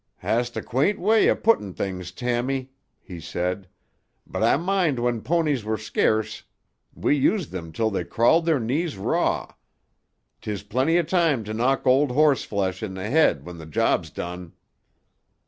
"Hast a quaint way o' putting things, Tammy," he said. "But I mind when ponies were scarce we used them till they crawled their knees raw. 'Tis plenty o' time to knock old horse flesh in tuh head when tuh job's done."